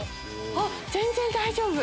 あっ全然大丈夫。